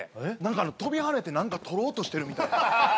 跳びはねて何か取ろうとしてるみたい。